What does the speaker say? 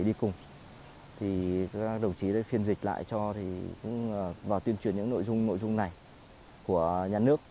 đồng chí đã phiên dịch lại cho và tuyên truyền những nội dung này của nhà nước